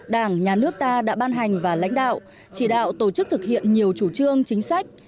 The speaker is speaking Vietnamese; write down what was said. đảng nhà nước ta đã ban hành và lãnh đạo chỉ đạo tổ chức thực hiện nhiều chủ trương chính sách